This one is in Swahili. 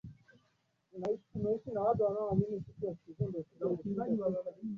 uchafuzi wa hewa kunahusiana na kufanikiwa kwa Malengo ya Maendeleo